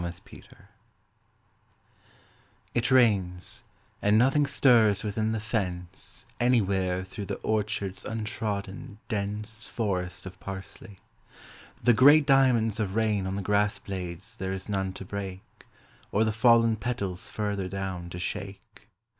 IT RAINS IT rains, and nothing stirs within the fence Anywhere through the orchard's untrodden, dense Forest of parsley. The great diamonds Of rain on the grassblades there is none to break, Or the fallen petals further down to shake.